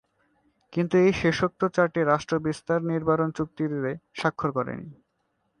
কিন্তু এই শেষোক্ত চারটি রাষ্ট্র বিস্তার নিবারণ চুক্তিতে স্বাক্ষর করেনি।